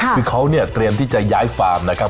คือเขาเนี่ยเตรียมที่จะย้ายฟาร์มนะครับ